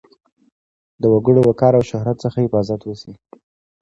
د وګړو وقار او شهرت څخه حفاظت وشي.